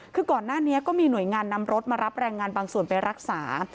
คือก่อนหน้านี้ก็มีหน่วยงานนำรถมารับแรงงานบางส่วนไปรักษา